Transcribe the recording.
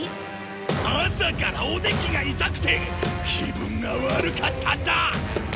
朝からおできが痛くて気分が悪かったんだ！